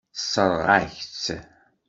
Tessṛeɣ-ak-tt.